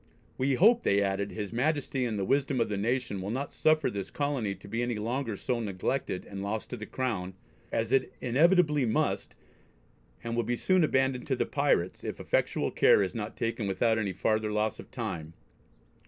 We hope," they added, "his Majesty, and the wisdom of the nation will not suffer this colony to be any longer so neglected and lost to the Crown, as it inevitably must, and will be soon abandoned to the pirates, if effectual care is not taken without any farther loss of time.